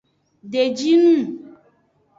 Deji nung.